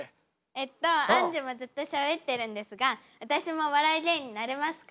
えっとあんじゅもずっとしゃべってるんですが私もお笑い芸人になれますか？